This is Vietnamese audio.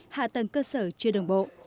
hạ tầng cơ sở chưa đồng bộ